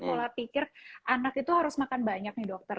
pola pikir anak itu harus makan banyak nih dokter